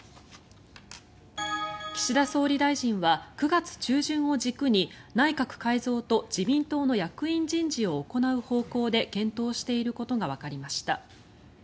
岸田総理大臣は９月中旬を軸に内閣改造と自民党の役員人事を行う方向で検討していることがわかりました。